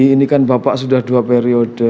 ini kan bapak sudah dua periode